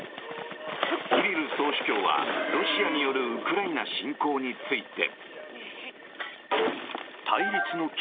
キリル総主教は、ロシアによるウクライナ侵攻について。